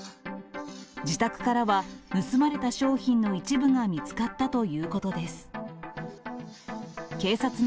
自宅からは、盗まれた商品の一部が見つかったということです。